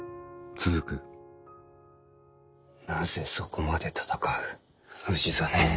なぜそこまで戦う氏真。